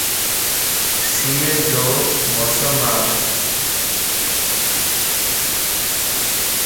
سيءَ جو موسم ا